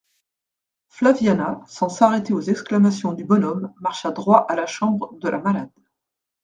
Flaviana, sans s'arrêter aux exclamations du bonhomme, marcha droit à la chambre de la malade.